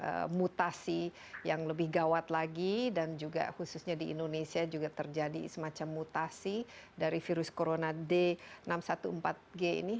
ada mutasi yang lebih gawat lagi dan juga khususnya di indonesia juga terjadi semacam mutasi dari virus corona d enam ratus empat belas g ini